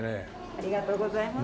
ありがとうございます。